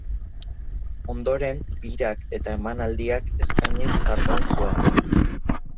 Ondoren birak eta emanaldiak eskainiz jardun zuen.